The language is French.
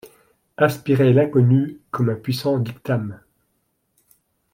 Aspirait l’inconnu comme un puissant dictame ;